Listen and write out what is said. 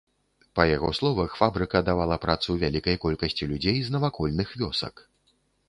Па яго словах, фабрыка давала працу вялікай колькасці людзей з навакольных вёсак.